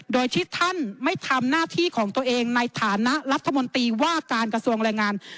โดยที่ท่านไม่ทำหน้าที่ของตัวเองในฐานะรัฐมนตรีว่าการกระทรวงแรงงาน